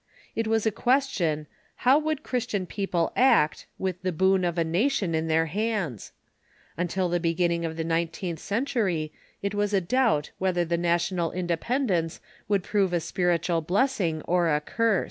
It was a question, how Avould Christian people act, with the boon of a nation in their hands ? Until the beginning of the nineteenth century it was a doubt wheth er the national independence would prove a spiritual blessing or a curse.